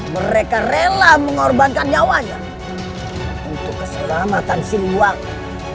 mereka rela mengorbankan nyawanya untuk keselamatan si luang